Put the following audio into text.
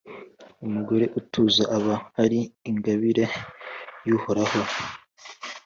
Umugore utuza aba ari ingabire y’Uhoraho,